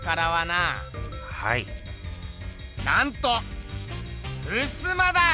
なんとふすまだ！